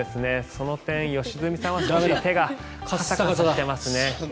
その点、良純さんは手がカサカサしてますね。